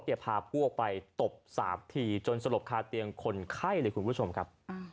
เดี๋ยวพาผู้ออกไปตบสาปทีจนสลบคาเตียงคนไข้เลยคุณผู้ชมครับ